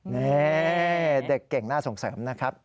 นี่เด็กเก่งน่าส่งเสริมนะครับ